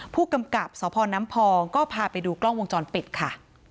ผู้กำกับสพน้ำพองก็พาไปดูกล้องวงจรปิดค่ะ